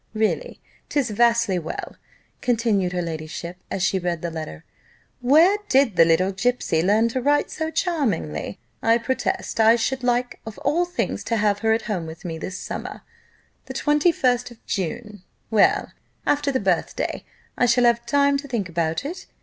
Really, 'tis vastly well," continued her ladyship, as she read the letter: "where did the little gipsy learn to write so charmingly? I protest I should like of all things to have her at home with me this summer the 21st of June well, after the birthday, I shall have time to think about it.